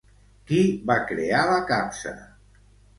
Qui va crear la capsa?